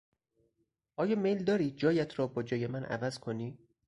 آیا میل داری جایت را با جای من عوض کنی؟